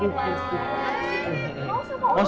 tuh tuh tuh sorry